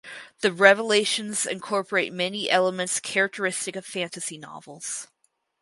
The "Revelations" incorporate many elements characteristic of Fantasy novels.